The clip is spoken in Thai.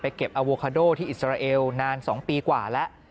เก็บอโวคาโดที่อิสราเอลนาน๒ปีกว่าแล้ว